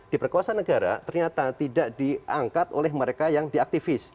di perkuasaan negara ternyata tidak diangkat oleh mereka yang diaktivis